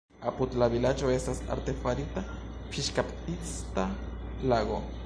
Apud la vilaĝo estas artefarita fiŝkaptista lago.